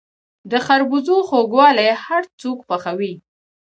د خربوزو خوږوالی هر څوک خوښوي.